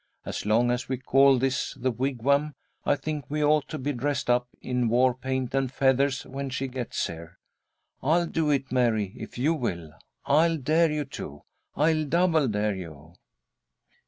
"As long as we call this the Wigwam, I think we ought to be dressed up in war paint and feathers when she gets here. I'll do it, Mary, if you will. I'll dare you to. I'll double dare you!"